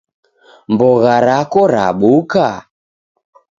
Mbogha rako rabuka?